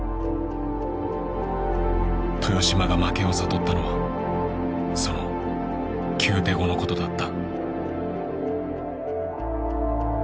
豊島が負けを悟ったのはその９手後のことだった。